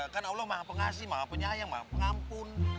kan allah maha pengasih maha penyayang maha pengampun